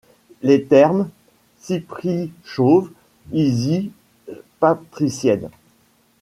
Les Thermes, Cypris chauve, Isis patricienne